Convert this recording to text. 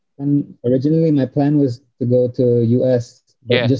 sebenarnya rencana gue itu mau ke as